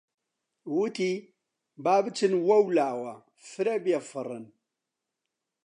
وتی: با بچن وەولاوە فرە بێفەڕن!